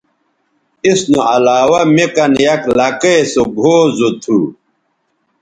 اس نو علاوہ می کن یک لکئے سوگھؤ زو تھو